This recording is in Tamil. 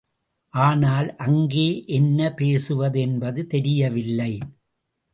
ஆனால் அங்கே என்ன பேசுவது என்பது தெரியவில்லை.